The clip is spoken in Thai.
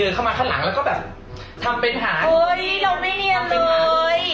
เฮ้ยเริ่งไม่เนียนเลย